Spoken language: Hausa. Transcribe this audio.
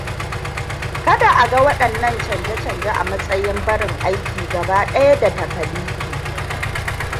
Kada a ga waɗannan canje-canje a matsayin barin aiki gaba ɗaya da takalifi.